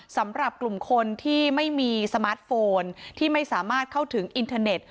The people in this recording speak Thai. สำหรับกลุ่มคนที่ไม่มีสมาร์ทโฟนที่ไม่สามารถเข้าถึงอินเทอร์เน็ต